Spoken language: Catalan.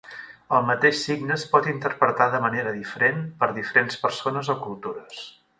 El mateix signe es pot interpretar de manera diferent per diferents persones o cultures.